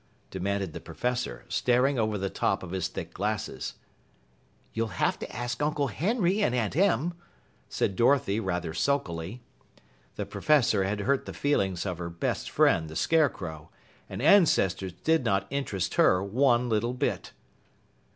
demanded the Professor, staring over the top of his thick glasses. "You'll have to ask Uncle Henry and Aunt Em," said Dorothy rather sulkily. The Professor had hurt the feelings of her best friend, the Scarecrow, and ancestors did not interest her one little bit.